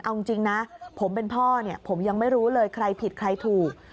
เอาจริงนะผมเป็นพ่อเนี่ยผมยังไม่รู้เลยใครผิดใครถูก